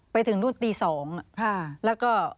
ไปถึงนู่นตี๒แล้วก็